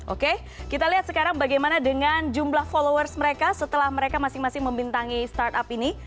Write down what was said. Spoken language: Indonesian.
oke kita lihat sekarang bagaimana dengan jumlah followers mereka setelah mereka masing masing membintangi startup ini